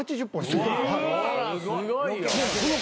すごいな。